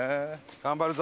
頑張るぞ！